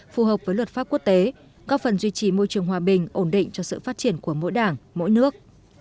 phù hợp với luật pháp quốc tế góp phần duy trì môi trường hòa bình ổn định cho sự phát triển của mỗi đảng mỗi nước